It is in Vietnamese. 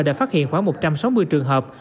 đã phát hiện khoảng một trăm sáu mươi trường hợp